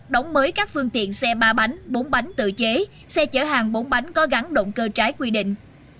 đóng mới các phương tiện xe ba bánh bốn bánh tự chế xe chở hàng bốn bánh có gắn động cơ trái quy định